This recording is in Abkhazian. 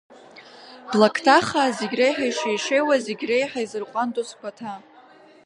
Блакҭа-хаа зегь реиҳа ишеишеиуа, зегь реиҳа изырҟәандо сгәаҭа.